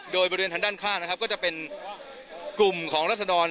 โดยบริเวณทางด้านข้างนะครับก็จะเป็นกลุ่มของรัศดร